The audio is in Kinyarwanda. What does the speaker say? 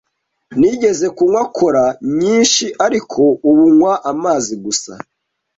Nigeze kunywa cola nyinshi, ariko ubu nywa amazi gusa.